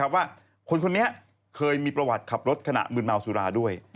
ว่าคนคนนี้เคยมีประวัติขับรถขณะมืนเมาสุราด้วย